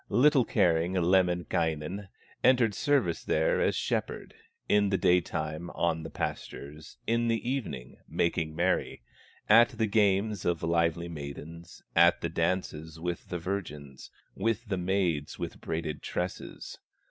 Little caring, Lemminkainen Entered service there as shepherd, In the daytime on the pastures, In the evening, making merry At the games of lively maidens, At the dances with the virgins, With the maids with braided tresses.